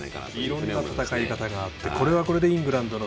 いろんな戦い方がありこれはこれでイングランドの